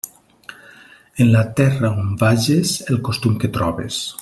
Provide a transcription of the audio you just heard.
En la terra on vages, el costum que trobes.